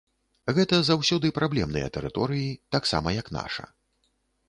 Гэта заўсёды праблемныя тэрыторыі, таксама як наша.